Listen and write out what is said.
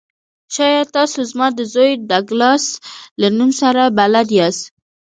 شاید تاسو زما د زوی ډګلاس له نوم سره بلد یاست